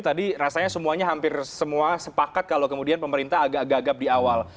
tadi rasanya semuanya hampir semua sepakat kalau kemudian pemerintah agak gagap di awal